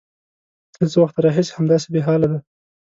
_له څه وخته راهيسې همداسې بېحاله دی؟